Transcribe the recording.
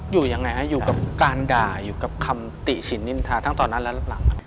อยู่ยังไงฮะอยู่กับการด่าอยู่กับคำติฉินนินทาทั้งตอนนั้นและหลัง